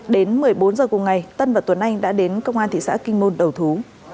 đến một mươi bốn h cùng ngày tân và tuấn anh đã đến công an thị xã kinh môn đầu thú